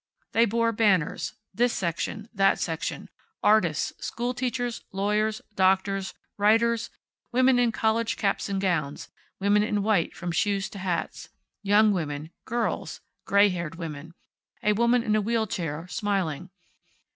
They bore banners. This section, that section. Artists. School teachers. Lawyers. Doctors. Writers. Women in college caps and gowns. Women in white, from shoes to hats. Young women. Girls. Gray haired women. A woman in a wheel chair, smiling.